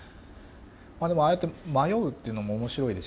でもああやって迷うっていうのも面白いですよね。